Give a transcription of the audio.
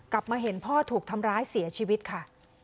กลับมาเห็นพ่อถูกทำร้ายเสียชีวิตค่ะ